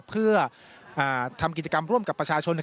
เพื่อทำกิจกรรมร่วมกับประชาชน